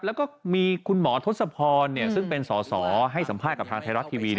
แล้วก็มีคุณหมอทศพรซึ่งเป็นสอสอให้สัมภาษณ์กับทางไทยรัฐทีวี